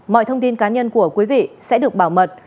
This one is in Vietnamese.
mọi thông tin cá nhân của quý vị sẽ được bảo mật